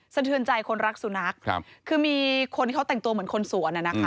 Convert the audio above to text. เทือนใจคนรักสุนัขคือมีคนที่เขาแต่งตัวเหมือนคนสวน